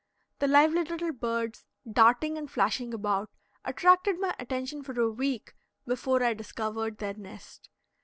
The lively little birds, darting and flashing about, attracted my attention for a week before I discovered their nest.